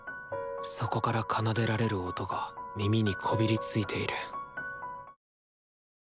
そこから奏でられる音が耳にこびりついている。